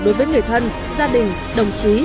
đối với người thân gia đình đồng chí